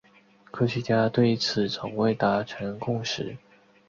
科学家对此从未达成共识。